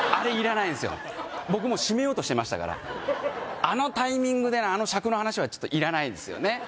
僕もう締めようとしてましたからあのタイミングであの尺の話はちょっといらないですよね